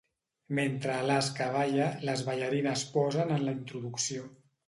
Mentre Alaska balla, les ballarines posen en la introducció.